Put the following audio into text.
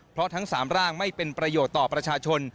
เพราะทั้ง๓ร่างไม่เป็นประโยชน์ต่อประชาชน